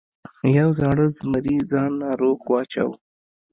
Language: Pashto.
یو زاړه زمري ځان ناروغ واچاوه.